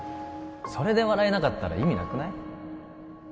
それで笑えなかったら意味なくない？